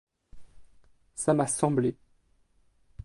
Ça m'a semblé.